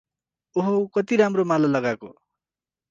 अोहो! कति राम्रो माला लगाको ।